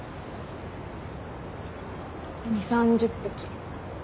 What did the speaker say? ２０３０匹。